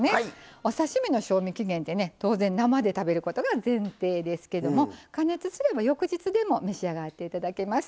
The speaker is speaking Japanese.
お刺身の賞味期限って当然、生で食べることが前提ですけれど加熱すれば翌日でも召し上がっていただけます。